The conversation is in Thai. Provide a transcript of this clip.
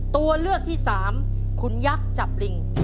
ตัวเลือกที่สามขุนยักษ์จับลิง